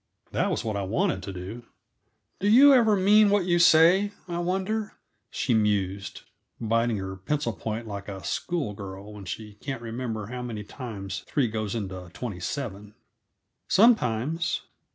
That was what I wanted to do. "Do you ever mean what you say, I wonder?" she mused, biting her pencil point like a schoolgirl when she can't remember how many times three goes into twenty seven. "Sometimes.